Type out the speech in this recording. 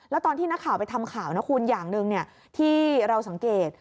แล้วตอนที่นักข่าวไปทำข่าวนะคุณอย่างหนึ่งที่เราสังเกต